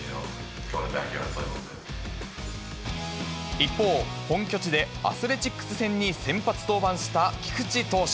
一方、本拠地でアスレチックス戦に先発登板した菊池投手。